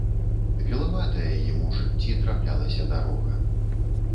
Вілаватая ім у жыцці траплялася дарога.